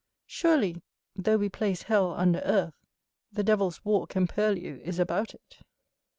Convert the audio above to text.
Surely, though we place hell under earth, the devil's walk and purlieu is about it.